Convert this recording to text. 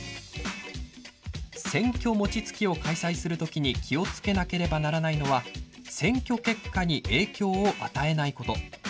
選挙もちつきを開催するときに気をつけなければならないのは選挙結果に影響を与えないこと。